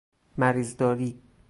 مریض داری